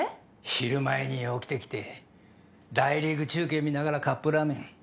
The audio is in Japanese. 昼前に起きてきて大リーグ中継見ながらカップラーメン。